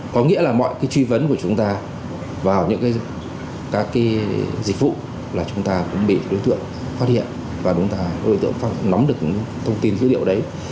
có nghĩa là mọi cái truy vấn của chúng ta vào những các cái dịch vụ là chúng ta cũng bị đối tượng phát hiện và đối tượng nắm được thông tin dữ liệu đấy